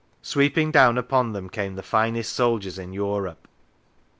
Sweeping down upon them came " the finest soldiers in Europe."